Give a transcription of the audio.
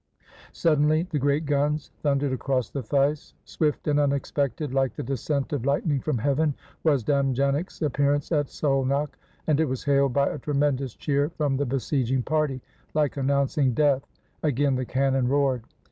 Suddenly the great guns thundered across the Theiss. Swift and unexpected, like the descent of lightning from heaven, was Damjanics' appearance at Szolnok, and it was hailed by a tremendous cheer from the be sieging party — life announcing death I Again the can non roared.